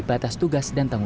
salam ke teman yang lain ya